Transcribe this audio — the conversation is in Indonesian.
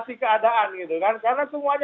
sedikit silakan pak nusirwan